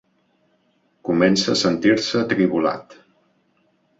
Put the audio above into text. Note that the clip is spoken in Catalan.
Comença a sentir-se atribolat.